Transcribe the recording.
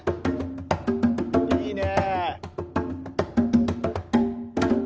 いいね。